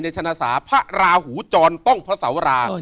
ในชนศาภราหูจรต้องพระเสารา